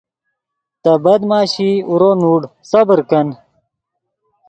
تے بد معاشی اورو نوڑ صبر کن